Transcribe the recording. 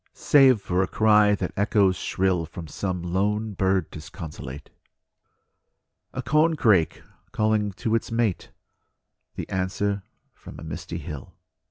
Save for a cry that echoes shrill From some lone bird disconsolate; A corncrake calling to its mate; The answer from the misty hill.